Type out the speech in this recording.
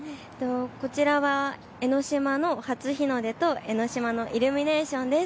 こちらは江の島の初日の出と江の島のイルミネーションです。